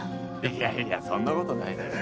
いやいやそんなことないでしょ。